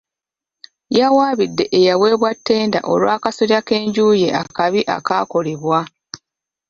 Yawaabidde eyaweebwa ttenda olw'akasolya k'enju ye akabi akaakolebwa.